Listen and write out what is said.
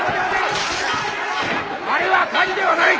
あれは火事ではない！